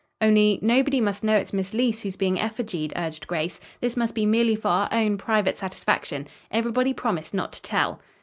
"Only, nobody must know it's Miss Leece whose being effigied," urged Grace. "This must be merely for our own private satisfaction. Everybody promise not to tell."